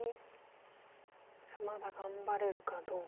さあまだ頑張れるかどうか。